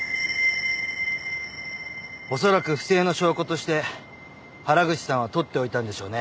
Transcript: おそらく不正の証拠として原口さんは取っておいたんでしょうね。